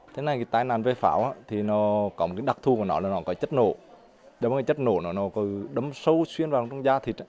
thế này cái tai nạn với pháo thì nó có một cái đặc thù của nó là nó có chất nổ đó là chất nổ nó có đấm sâu xuyên vào trong da thịt